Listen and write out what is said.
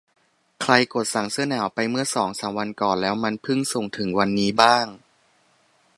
ใครกดสั่งเสื้อหนาวไปเมื่อสองสามวันก่อนแล้วมันเพิ่งส่งถึงวันนี้บ้าง